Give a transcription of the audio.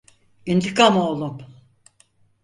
İntikam oğlum…